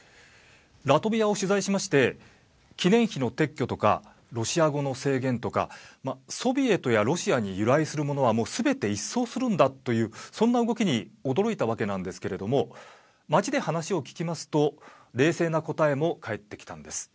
ラトビアを取材しまして記念碑の撤去とかロシア語の制限とかソビエトやロシアに由来するものはもうすべて一掃するんだというそんな動きに驚いたわけなんですけれども街で話を聞きますと冷静な答えも返ってきたんです。